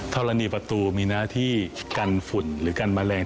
ธรณีประตูมีหน้าที่กันฝุ่นหรือกันแมลง